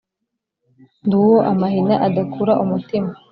ndi uwo amahina adakura umutima,